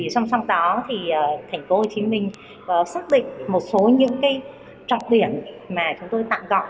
song song đó thành phố hồ chí minh xác định một số những trọng điểm mà chúng tôi tặng gọi